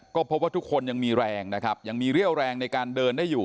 ก็พบว่าทุกคนยังมีแรงนะครับยังมีเรี่ยวแรงในการเดินได้อยู่